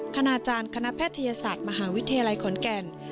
คณาจารย์คณะแพทยศาสตร์มหาวิทยาลัยขอนแก่น